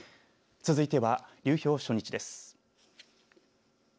続いては、流氷初日です。